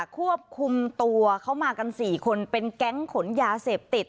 ควบคุมตัวเขามากัน๔คนเป็นแก๊งขนยาเสพติด